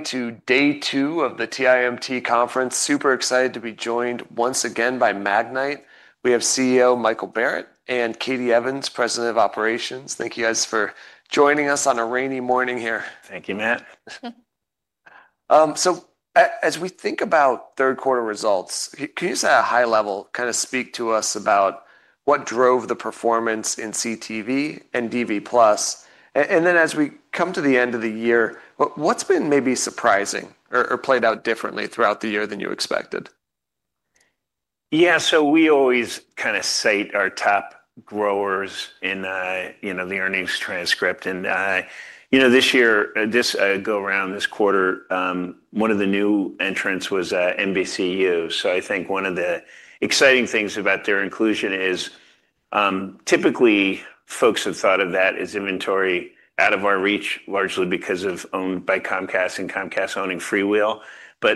To day two of the TIMT Conference. Super excited to be joined once again by Magnite. We have CEO Michael Barrett and Katie Evans, President of Operations. Thank you guys for joining us on a rainy morning here. Thank you, Matt. As we think about third quarter results, can you just at a high level kind of speak to us about what drove the performance in CTV and DV+? Then as we come to the end of the year, what's been maybe surprising or played out differently throughout the year than you expected? Yeah, so we always kind of cite our top growers in the earnings transcript. This year, this go-around, this quarter, one of the new entrants was NBCU. I think one of the exciting things about their inclusion is typically folks have thought of that as inventory out of our reach, largely because it's owned by Comcast and Comcast owning Freewheel.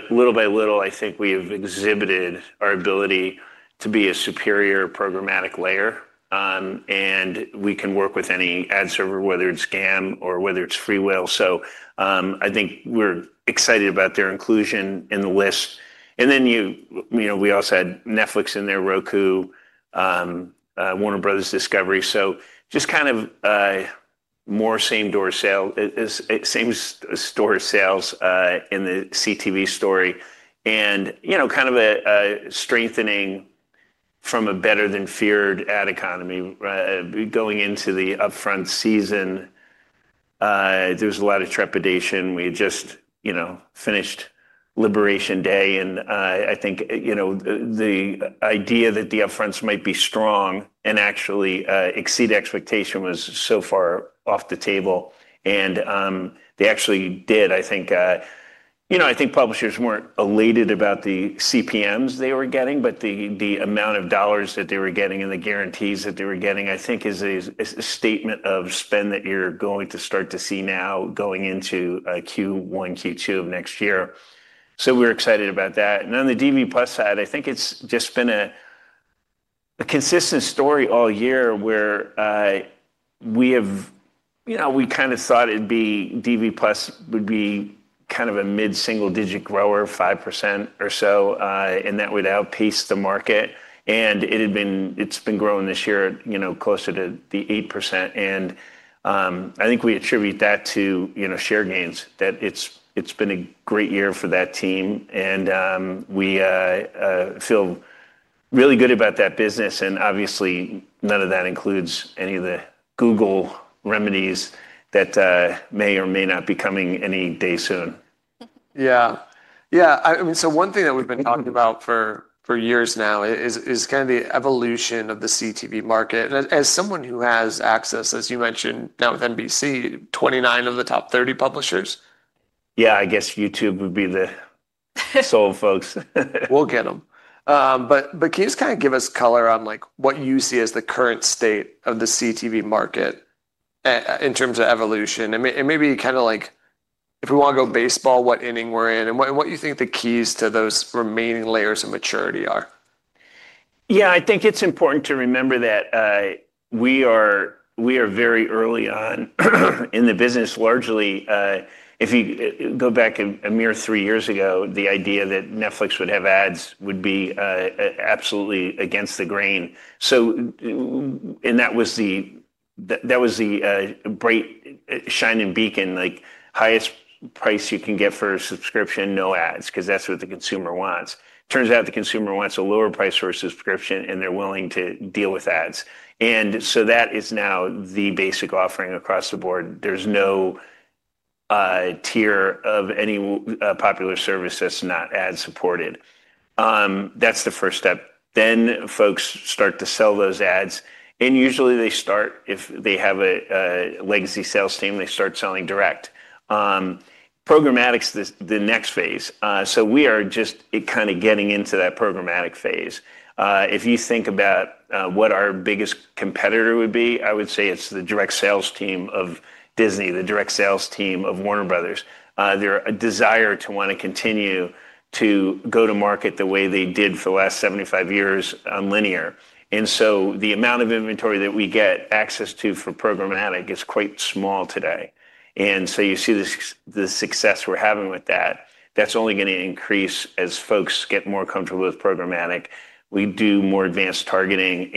Little by little, I think we have exhibited our ability to be a superior programmatic layer. We can work with any ad server, whether it's GAM or whether it's Freewheel. I think we're excited about their inclusion in the list. We also had Netflix in there, Roku, Warner Bros. Discovery. Just kind of more same-store sales in the CTV story. Kind of a strengthening from a better-than-feared ad economy going into the upfront season. There was a lot of trepidation. We had just finished Liberation Day. I think the idea that the upfronts might be strong and actually exceed expectation was so far off the table. They actually did, I think. I think publishers were not elated about the CPMs they were getting, but the amount of dollars that they were getting and the guarantees that they were getting, I think, is a statement of spend that you are going to start to see now going into Q1, Q2 of next year. We are excited about that. On the DV+ side, I think it has just been a consistent story all year where we kind of thought DV+ would be kind of a mid-single-digit grower, 5% or so, and that would outpace the market. It has been growing this year closer to the 8%. I think we attribute that to share gains, that it's been a great year for that team. We feel really good about that business. Obviously, none of that includes any of the Google remedies that may or may not be coming any day soon. Yeah. Yeah. I mean, so one thing that we've been talking about for years now is kind of the evolution of the CTV market. As someone who has access, as you mentioned, now with NBCU, 29 of the top 30 publishers. Yeah, I guess YouTube would be the sole folks. We'll get them. Can you just kind of give us color on what you see as the current state of the CTV market in terms of evolution? Maybe kind of like if we want to go baseball, what inning we're in and what you think the keys to those remaining layers of maturity are. Yeah, I think it's important to remember that we are very early on in the business, largely. If you go back a mere three years ago, the idea that Netflix would have ads would be absolutely against the grain. That was the bright shining beacon, like highest price you can get for a subscription, no ads, because that's what the consumer wants. Turns out the consumer wants a lower price for a subscription, and they're willing to deal with ads. That is now the basic offering across the board. There's no tier of any popular service that's not ad-supported. That's the first step. Folks start to sell those ads. Usually, if they have a legacy sales team, they start selling direct. Programmatic's the next phase. We are just kind of getting into that programmatic phase. If you think about what our biggest competitor would be, I would say it's the direct sales team of Disney, the direct sales team of Warner Bros. Their desire to want to continue to go to market the way they did for the last 75 years on linear. The amount of inventory that we get access to for programmatic is quite small today. You see the success we're having with that. That's only going to increase as folks get more comfortable with programmatic. We do more advanced targeting.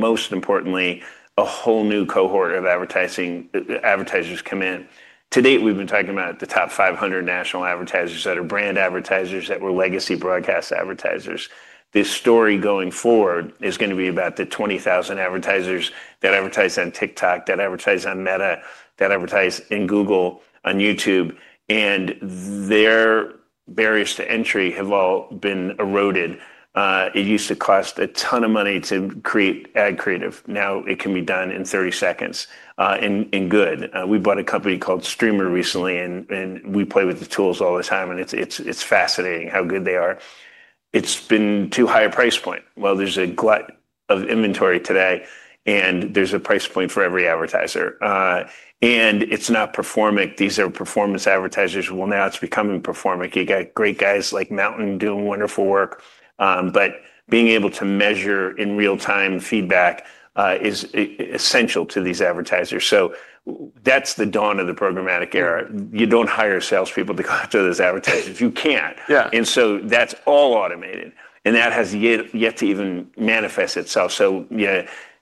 Most importantly, a whole new cohort of advertising advertisers come in. To date, we've been talking about the top 500 national advertisers that are brand advertisers that were legacy broadcast advertisers. This story going forward is going to be about the 20,000 advertisers that advertise on TikTok, that advertise on Meta, that advertise in Google on YouTube. Their barriers to entry have all been eroded. It used to cost a ton of money to create ad creative. Now it can be done in 30 seconds and good. We bought a company called Streamer recently, and we play with the tools all the time. It is fascinating how good they are. It has been too high a price point. There is a glut of inventory today, and there is a price point for every advertiser. It is not performant. These are performance advertisers. Now it is becoming performant. You got great guys like MNTN doing wonderful work. Being able to measure in real-time feedback is essential to these advertisers. That is the dawn of the programmatic era. You do not hire salespeople to go out to those advertisers. You cannot. That is all automated. That has yet to even manifest itself.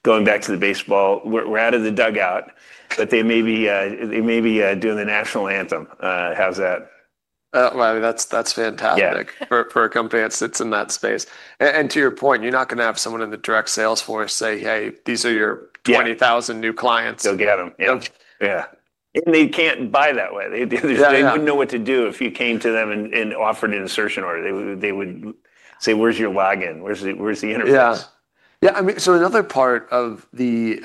Going back to the baseball, we're out of the dugout, but they may be doing the national anthem. How's that? That's fantastic for a company that sits in that space. And to your point, you're not going to have someone in the direct sales force say, "Hey, these are your 20,000 new clients. Go get them. Yeah. They can't buy that way. They wouldn't know what to do if you came to them and offered an insertion order. They would say, "Where's your wagon? Where's the interface? Yeah. Yeah. I mean, another part of the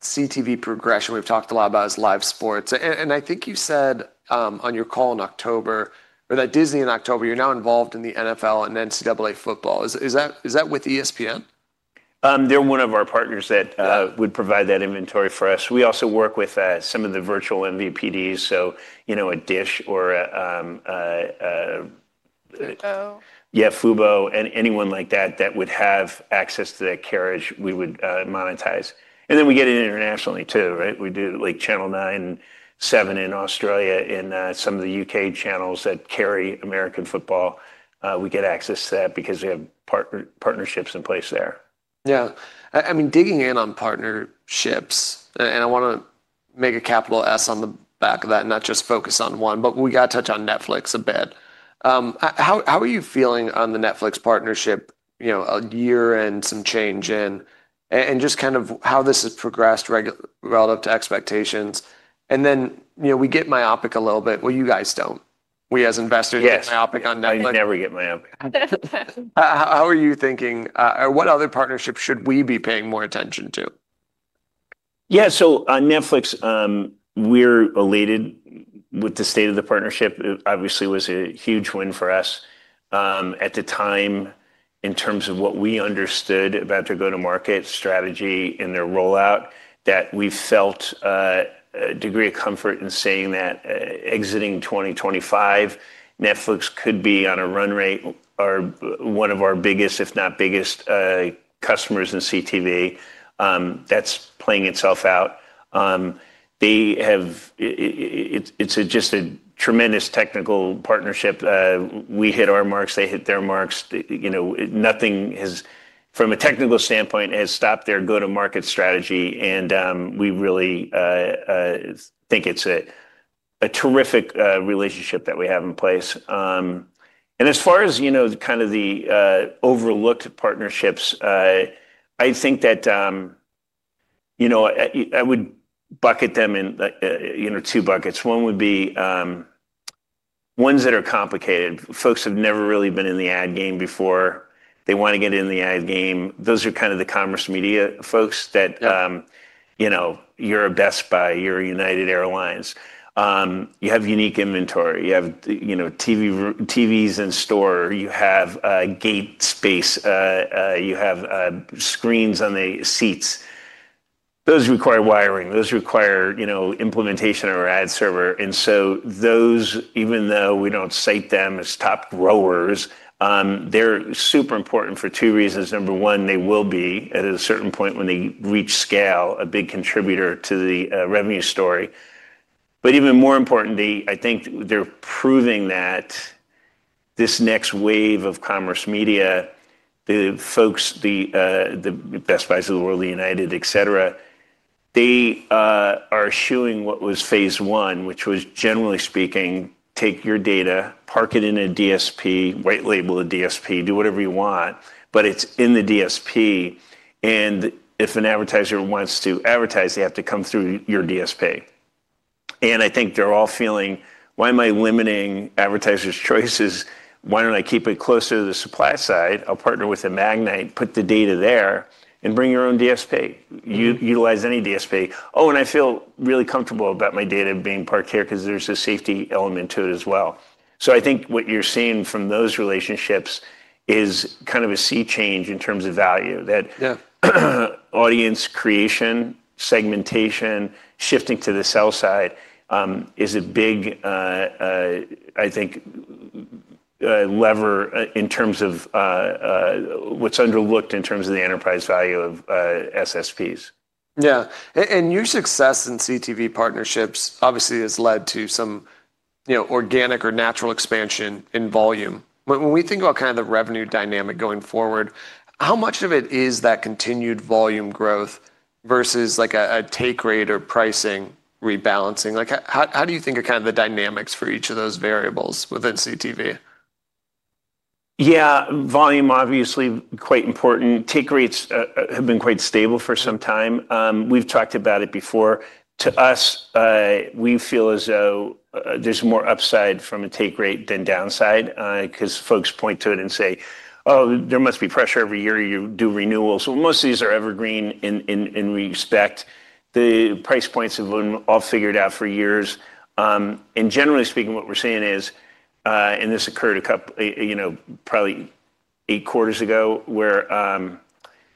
CTV progression we've talked a lot about is live sports. I think you said on your call in October or that Disney in October, you're now involved in the NFL and NCAA football. Is that with ESPN? They're one of our partners that would provide that inventory for us. We also work with some of the virtual MVPDs, so a Dish or. Fubo. Yeah, Fubo and anyone like that that would have access to that carriage, we would monetize. We get it internationally too, right? We do Channel 9, 7 in Australia, and some of the U.K. channels that carry American football. We get access to that because we have partnerships in place there. Yeah. I mean, digging in on partnerships, and I want to make a capital S on the back of that, not just focus on one, but we got to touch on Netflix a bit. How are you feeling on the Netflix partnership year and some change in and just kind of how this has progressed relative to expectations? We get myopic a little bit. You guys do not. We as investors get myopic on Netflix. Yes, I never get myopic. How are you thinking? Or what other partnerships should we be paying more attention to? Yeah, so on Netflix, we're elated with the state of the partnership. Obviously, it was a huge win for us at the time in terms of what we understood about their go-to-market strategy and their rollout that we felt a degree of comfort in saying that exiting 2025, Netflix could be on a run rate or one of our biggest, if not biggest, customers in CTV. That's playing itself out. It's just a tremendous technical partnership. We hit our marks. They hit their marks. Nothing has, from a technical standpoint, stopped their go-to-market strategy. We really think it's a terrific relationship that we have in place. As far as kind of the overlooked partnerships, I think that I would bucket them in two buckets. One would be ones that are complicated. Folks have never really been in the ad game before. They want to get in the ad game. Those are kind of the commerce media folks that you're a Best Buy, you're a United Airlines. You have unique inventory. You have TVs in store. You have gate space. You have screens on the seats. Those require wiring. Those require implementation of our ad server. Those, even though we don't cite them as top growers, are super important for two reasons. Number one, they will be at a certain point when they reach scale, a big contributor to the revenue story. Even more importantly, I think they're proving that this next wave of commerce media, the folks, the Best Buys of the world, the United, etc, they are eschewing what was phase one, which was, generally speaking, take your data, park it in a DSP, white label a DSP, do whatever you want, but it's in the DSP. If an advertiser wants to advertise, they have to come through your DSP. I think they're all feeling, "Why am I limiting advertisers' choices? Why don't I keep it closer to the supply side? I'll partner with a Magnite, put the data there, and bring your own DSP. Utilize any DSP." I feel really comfortable about my data being parked here because there's a safety element to it as well. I think what you're seeing from those relationships is kind of a sea change in terms of value. That audience creation, segmentation, shifting to the sell side is a big, I think, lever in terms of what's underlooked in terms of the enterprise value of SSPs. Yeah. Your success in CTV partnerships, obviously, has led to some organic or natural expansion in volume. When we think about kind of the revenue dynamic going forward, how much of it is that continued volume growth versus a take rate or pricing rebalancing? How do you think are kind of the dynamics for each of those variables within CTV? Yeah, volume, obviously, quite important. Take rates have been quite stable for some time. We've talked about it before. To us, we feel as though there's more upside from a take rate than downside because folks point to it and say, "Oh, there must be pressure every year. You do renewals." Most of these are evergreen in respect. The price points have been all figured out for years. Generally speaking, what we're seeing is, and this occurred probably eight quarters ago, where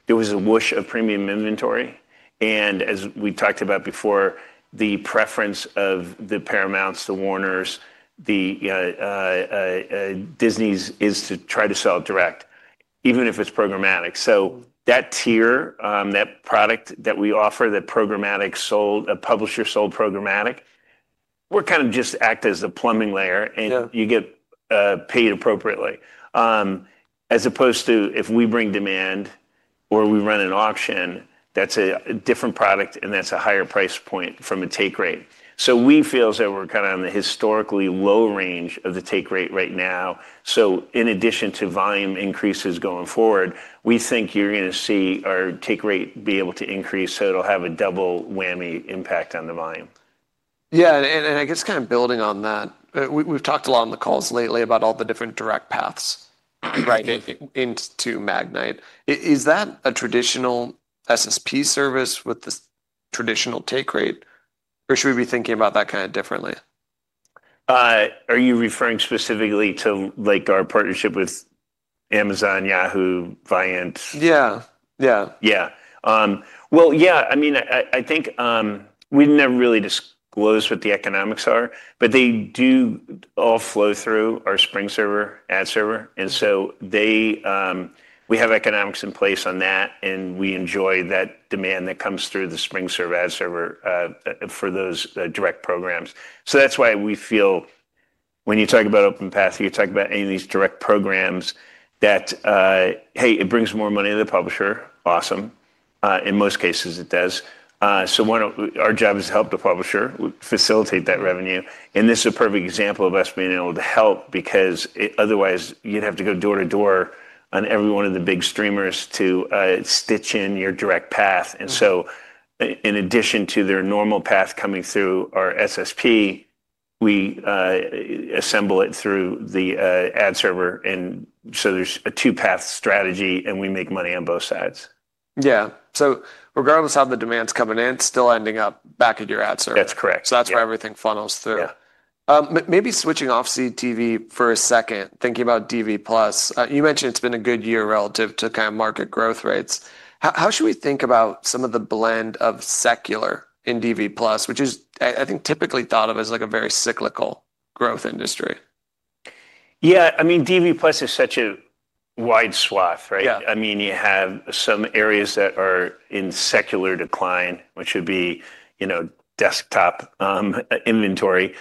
there was a whoosh of premium inventory. As we talked about before, the preference of the Paramounts, the Warners, the Disneys is to try to sell direct, even if it's programmatic. That tier, that product that we offer, that programmatic sold, a publisher sold programmatic, we kind of just act as the plumbing layer, and you get paid appropriately. As opposed to if we bring demand or we run an auction, that's a different product, and that's a higher price point from a take rate. We feel as though we're kind of in the historically low range of the take rate right now. In addition to volume increases going forward, we think you're going to see our take rate be able to increase. It'll have a double whammy impact on the volume. Yeah. I guess kind of building on that, we've talked a lot on the calls lately about all the different direct paths into Magnite. Is that a traditional SSP service with this traditional take rate, or should we be thinking about that kind of differently? Are you referring specifically to our partnership with Amazon, Yahoo, Viant? Yeah. Yeah. Yeah. Yeah. I mean, I think we've never really disclosed what the economics are, but they do all flow through our Spring-Serve ad server. And so we have economics in place on that, and we enjoy that demand that comes through the Spring-Serve ad server for those direct programs. That's why we feel when you talk about Open-Path, you talk about any of these direct programs that, hey, it brings more money to the publisher. Awesome. In most cases, it does. Our job is to help the publisher, facilitate that revenue. This is a perfect example of us being able to help because otherwise, you'd have to go door to door on every one of the big streamers to stitch in your direct path. In addition to their normal path coming through our SSP, we assemble it through the ad server. There is a two-path strategy, and we make money on both sides. Yeah. So regardless of how the demand's coming in, still ending up back at your ad server. That's correct. That's where everything funnels through. Maybe switching off CTV for a second, thinking about DV+. You mentioned it's been a good year relative to kind of market growth rates. How should we think about some of the blend of secular in DV+, which is, I think, typically thought of as a very cyclical growth industry? Yeah. I mean, DV+ is such a wide swath, right? I mean, you have some areas that are in secular decline, which would be desktop inventory,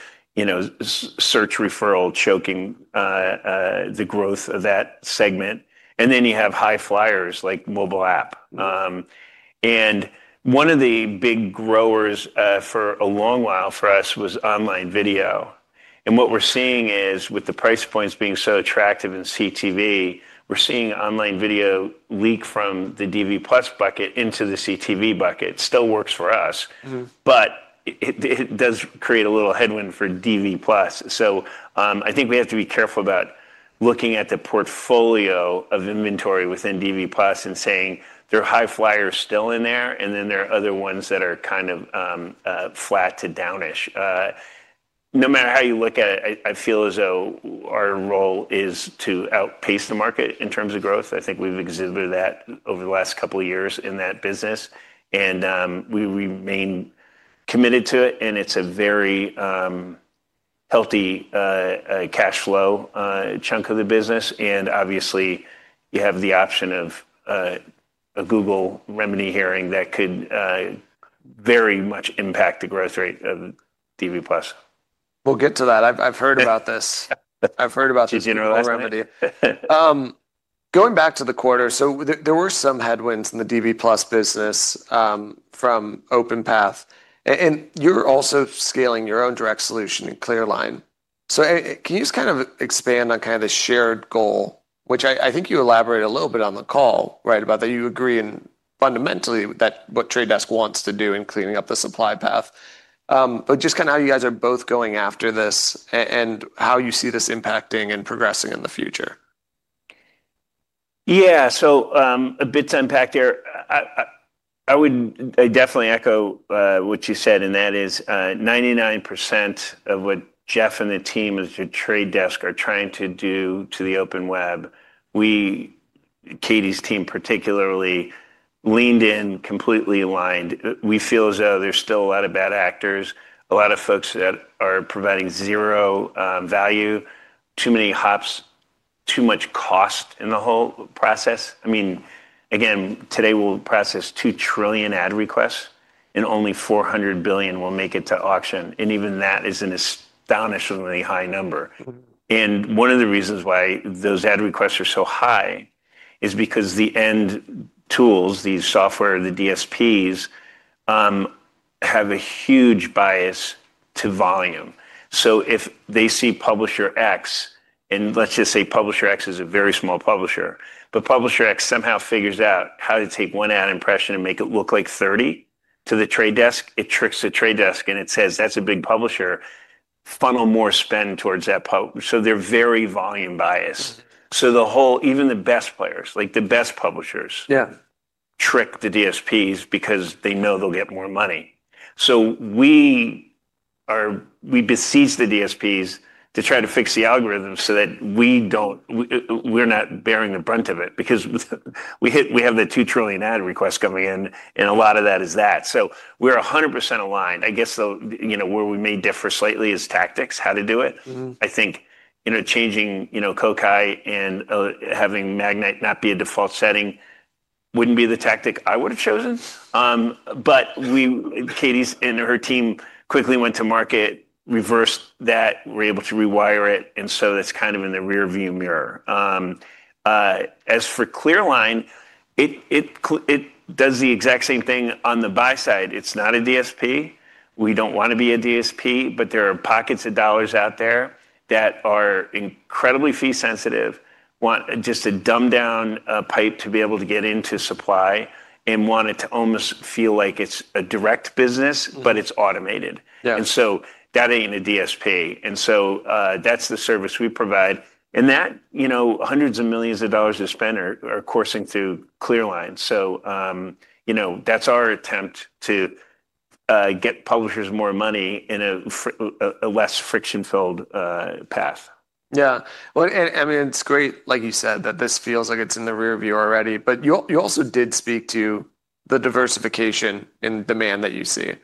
search referral choking the growth of that segment. And then you have high flyers like mobile app. One of the big growers for a long while for us was online video. What we are seeing is with the price points being so attractive in CTV, we are seeing online video leak from the DV+ bucket into the CTV bucket. It still works for us, but it does create a little headwind for DV+. I think we have to be careful about looking at the portfolio of inventory within DV+ and saying there are high flyers still in there, and then there are other ones that are kind of flat to downish. No matter how you look at it, I feel as though our role is to outpace the market in terms of growth. I think we've exhibited that over the last couple of years in that business. We remain committed to it, and it's a very healthy cash flow chunk of the business. Obviously, you have the option of a Google remedy hearing that could very much impact the growth rate of DV+. We'll get to that. I've heard about this. I've heard about the remedy. Going back to the quarter, there were some headwinds in the DV+ business from OpenPath. You're also scaling your own direct solution in Clearline. Can you just kind of expand on the shared goal, which I think you elaborated a little bit on the call, right, about that you agree fundamentally with what Trade Desk wants to do in cleaning up the supply path, but just kind of how you guys are both going after this and how you see this impacting and progressing in the future? Yeah. A bit to unpack there. I definitely echo what you said, and that is 99% of what Jeff and the team at The Trade Desk are trying to do to the open web, we, Katie's team particularly, leaned in completely aligned. We feel as though there's still a lot of bad actors, a lot of folks that are providing zero value, too many hops, too much cost in the whole process. I mean, again, today we'll process 2 trillion ad requests, and only 400 billion will make it to auction. Even that is an astonishingly high number. One of the reasons why those ad requests are so high is because the end tools, the software, the DSPs, have a huge bias to volume. If they see Publisher X, and let's just say Publisher X is a very small publisher, but Publisher X somehow figures out how to take one ad impression and make it look like 30 to The Trade Desk, it tricks The Trade Desk, and it says, "That's a big publisher. Funnel more spend towards that." They are very volume biased. Even the best players, like the best publishers, trick the DSPs because they know they'll get more money. We beseech the DSPs to try to fix the algorithm so that we're not bearing the brunt of it because we have the 2 trillion ad requests coming in, and a lot of that is that. We are 100% aligned. I guess where we may differ slightly is tactics, how to do it. I think changing Kokai and having Magnite not be a default setting would not be the tactic I would have chosen. Katie's and her team quickly went to market, reversed that, were able to rewire it. That is kind of in the rearview mirror. As for Clearline, it does the exact same thing on the buy side. It is not a DSP. We do not want to be a DSP, but there are pockets of dollars out there that are incredibly fee-sensitive, want just a dumbed-down pipe to be able to get into supply, and want it to almost feel like it is a direct business, but it is automated. That is not a DSP. That is the service we provide. Hundreds of millions of dollars of spend are coursing through Clearline. That is our attempt to get publishers more money in a less friction-filled path. Yeah. I mean, it's great, like you said, that this feels like it's in the rearview already, but you also did speak to the diversification in demand that you see.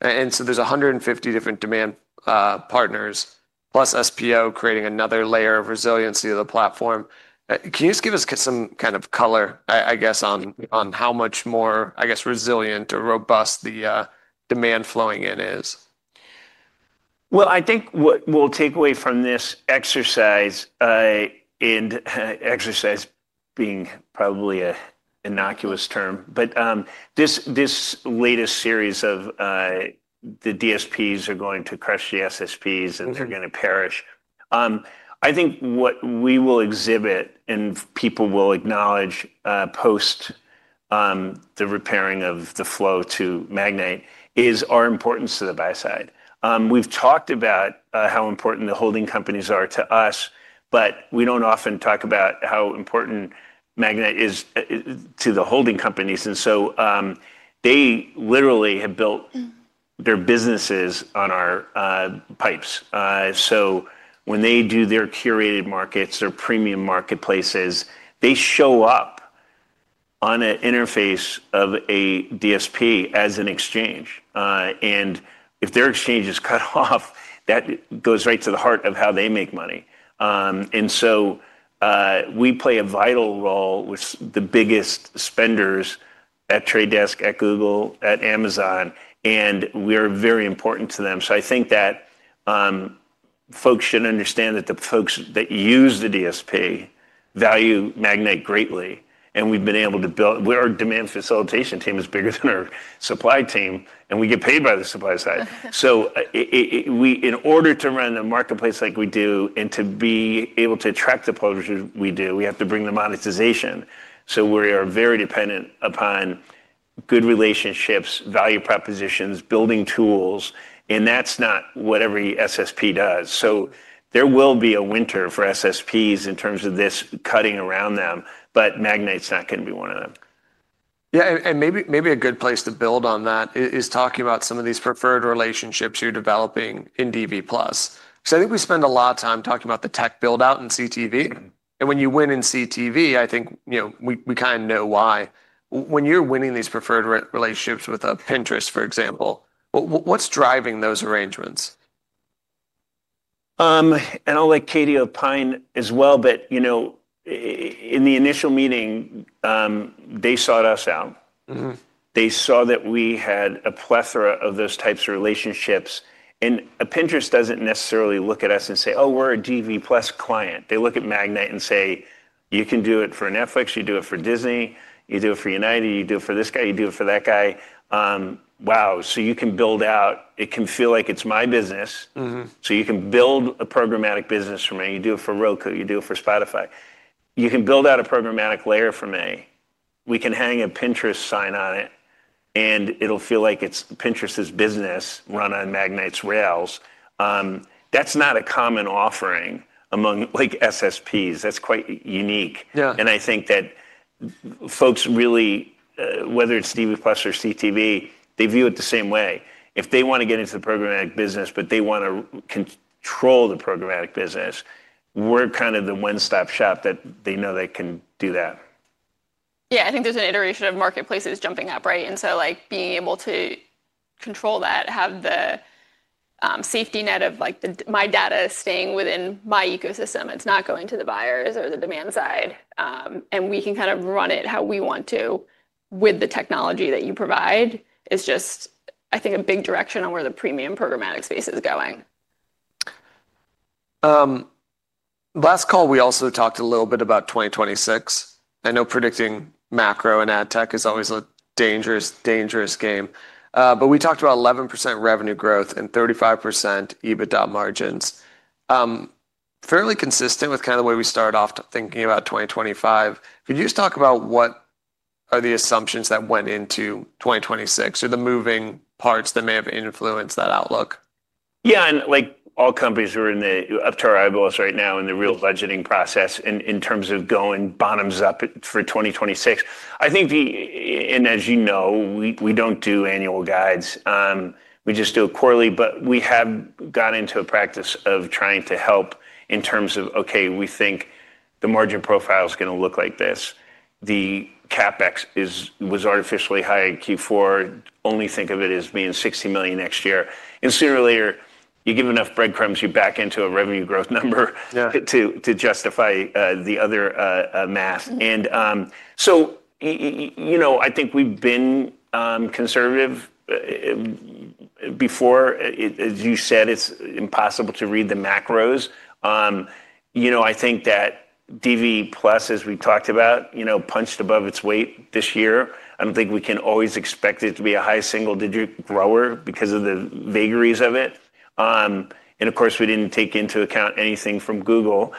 There are 150 different demand partners, plus SPO creating another layer of resiliency of the platform. Can you just give us some kind of color, I guess, on how much more, I guess, resilient or robust the demand flowing in is? I think what we'll take away from this exercise, and exercise being probably an innocuous term, but this latest series of the DSPs are going to crush the SSPs, and they're going to perish. I think what we will exhibit, and people will acknowledge post the repairing of the flow to Magnite, is our importance to the buy side. We've talked about how important the holding companies are to us, but we don't often talk about how important Magnite is to the holding companies. They literally have built their businesses on our pipes. When they do their curated markets, their premium marketplaces, they show up on an interface of a DSP as an exchange. If their exchange is cut off, that goes right to the heart of how they make money. We play a vital role with the biggest spenders at The Trade Desk, at Google, at Amazon, and we're very important to them. I think that folks should understand that the folks that use the DSP value Magnite greatly. We've been able to build—our demand facilitation team is bigger than our supply team, and we get paid by the supply side. In order to run a marketplace like we do and to be able to attract the publishers we do, we have to bring the monetization. We are very dependent upon good relationships, value propositions, building tools, and that's not what every SSP does. There will be a winter for SSPs in terms of this cutting around them, but Magnite's not going to be one of them. Yeah. Maybe a good place to build on that is talking about some of these preferred relationships you're developing in DV+. I think we spend a lot of time talking about the tech build-out in CTV. When you win in CTV, I think we kind of know why. When you're winning these preferred relationships with Pinterest, for example, what's driving those arrangements? I'll let Katie opine as well, but in the initial meeting, they sought us out. They saw that we had a plethora of those types of relationships. Pinterest doesn't necessarily look at us and say, "Oh, we're a DV+ client." They look at Magnite and say, "You can do it for Netflix. You do it for Disney. You do it for United. You do it for this guy. You do it for that guy." Wow. You can build out, it can feel like it's my business. You can build a programmatic business for me. You do it for Roku. You do it for Spotify. You can build out a programmatic layer for me. We can hang a Pinterest sign on it, and it'll feel like it's Pinterest's business run on Magnite's rails. That's not a common offering among SSPs. That's quite unique. I think that folks really, whether it's DV+ or CTV, they view it the same way. If they want to get into the programmatic business, but they want to control the programmatic business, we're kind of the one-stop shop that they know they can do that. Yeah. I think there's an iteration of marketplaces jumping up, right? Being able to control that, have the safety net of my data staying within my ecosystem. It's not going to the buyers or the demand side. We can kind of run it how we want to with the technology that you provide. It's just, I think, a big direction on where the premium programmatic space is going. Last call, we also talked a little bit about 2026. I know predicting macro and ad tech is always a dangerous, dangerous game. We talked about 11% revenue growth and 35% EBITDA margins. Fairly consistent with kind of the way we started off thinking about 2025. Could you just talk about what are the assumptions that went into 2026 or the moving parts that may have influenced that outlook? Yeah. Like all companies who are in the upturn right now in the real budgeting process in terms of going bottoms up for 2026, I think, and as you know, we do not do annual guides. We just do it quarterly. We have gotten into a practice of trying to help in terms of, "Okay, we think the margin profile is going to look like this. The CapEx was artificially high in Q4. Only think of it as being 60 next year." Sooner or later, you give enough breadcrumbs, you back into a revenue growth number to justify the other math. I think we have been conservative before. As you said, it is impossible to read the macros. I think that DV+ as we talked about punched above its weight this year. I don't think we can always expect it to be a high single-digit grower because of the vagaries of it. Of course, we didn't take into account anything from Google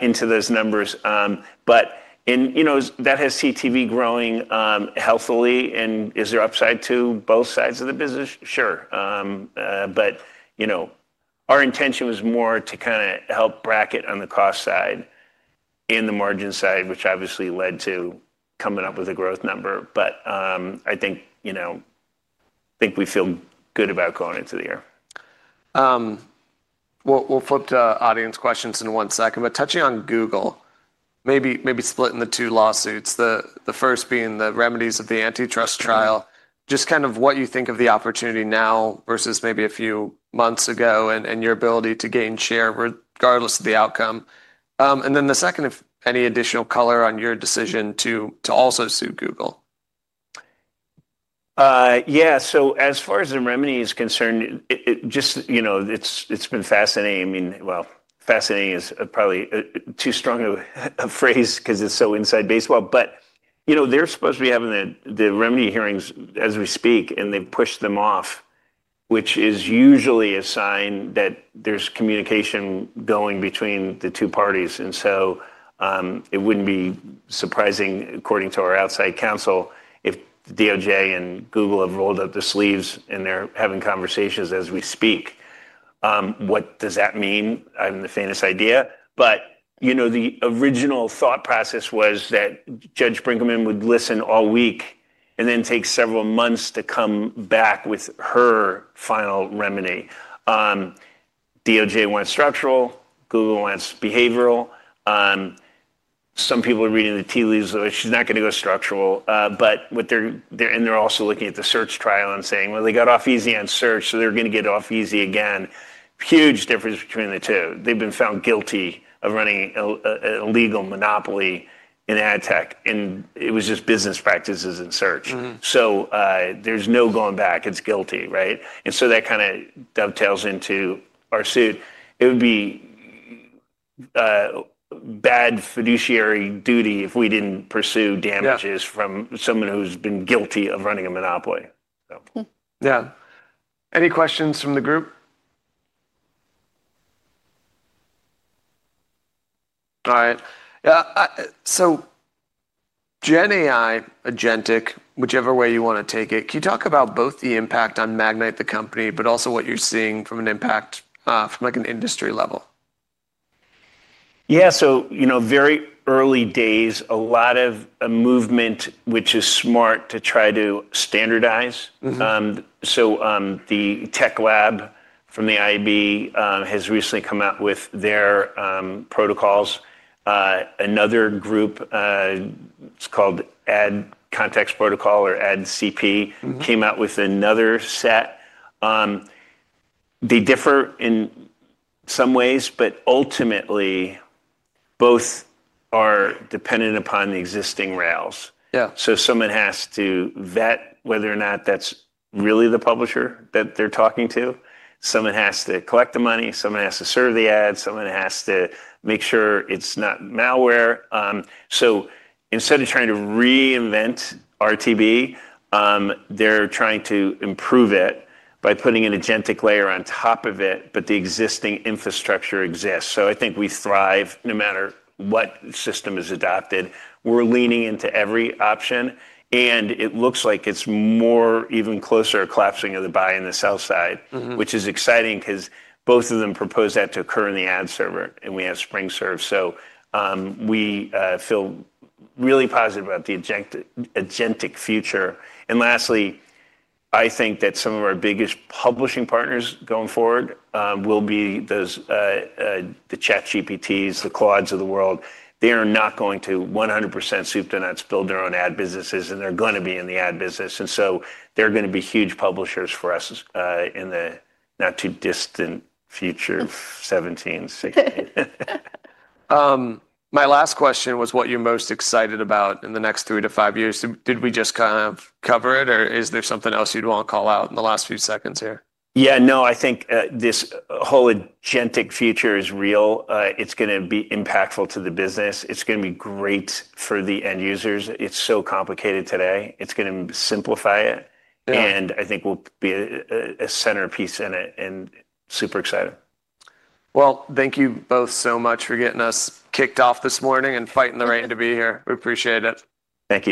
into those numbers. That has CTV growing healthily. Is there upside to both sides of the business? Sure. Our intention was more to kind of help bracket on the cost side and the margin side, which obviously led to coming up with a growth number. I think we feel good about going into the year. We'll flip to audience questions in one second. Touching on Google, maybe splitting the two lawsuits, the first being the remedies of the antitrust trial, just kind of what you think of the opportunity now versus maybe a few months ago and your ability to gain share regardless of the outcome. The second, if any additional color on your decision to also sue Google. Yeah. As far as the remedy is concerned, it's been fascinating. I mean, fascinating is probably too strong of a phrase because it's so inside baseball. They're supposed to be having the remedy hearings as we speak, and they pushed them off, which is usually a sign that there's communication going between the two parties. It wouldn't be surprising, according to our outside counsel, if DOJ and Google have rolled up their sleeves and they're having conversations as we speak. What does that mean? I have the faintest idea. The original thought process was that Judge Brinkman would listen all week and then take several months to come back with her final remedy. DOJ wants structural. Google wants behavioral. Some people are reading the tea leaves that she's not going to go structural. They are also looking at the search trial and saying, "Well, they got off easy on search, so they're going to get off easy again." Huge difference between the two. They have been found guilty of running a legal monopoly in ad tech, and it was just business practices in search. There is no going back. It is guilty, right? That kind of dovetails into our suit. It would be bad fiduciary duty if we did not pursue damages from someone who has been guilty of running a monopoly. Yeah. Any questions from the group? All right. GenAI, Agentic, whichever way you want to take it, can you talk about both the impact on Magnite the company, but also what you're seeing from an impact from an industry level? Yeah. Very early days, a lot of movement, which is smart to try to standardize. The tech lab from the IAB has recently come out with their protocols. Another group, it's called Ad Context Protocol or Ad CP, came out with another set. They differ in some ways, but ultimately, both are dependent upon the existing rails. Someone has to vet whether or not that's really the publisher that they're talking to. Someone has to collect the money. Someone has to serve the ads. Someone has to make sure it's not malware. Instead of trying to reinvent RTB, they're trying to improve it by putting an agentic layer on top of it, but the existing infrastructure exists. I think we thrive no matter what system is adopted. We're leaning into every option. It looks like it's more even closer collapsing of the buy and the sell side, which is exciting because both of them propose that to occur in the ad server, and we have SpringServe. We feel really positive about the agentic future. Lastly, I think that some of our biggest publishing partners going forward will be the ChatGPTs, the Claudes of the world. They are not going to 100% soup to nuts, build their own ad businesses, and they're going to be in the ad business. They're going to be huge publishers for us in the not too distant future of 17, 16. My last question was what you're most excited about in the next three to five years. Did we just kind of cover it, or is there something else you'd want to call out in the last few seconds here? Yeah. No, I think this whole agentic future is real. It's going to be impactful to the business. It's going to be great for the end users. It's so complicated today. It's going to simplify it. I think we'll be a centerpiece in it and super excited. Thank you both so much for getting us kicked off this morning and fighting the rain to be here. We appreciate it. Thank you.